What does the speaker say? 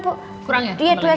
dua sendok lagi